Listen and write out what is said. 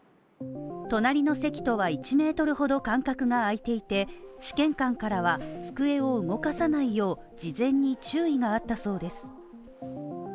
隣の席とは１ｍほど間隔が空いていて試験管からは机を動かさないよう事前に注意があったそうです。